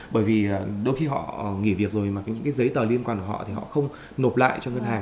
bởi vì đôi khi họ nghỉ việc rồi mà những cái giấy tờ liên quan của họ thì họ không nộp lại cho ngân hàng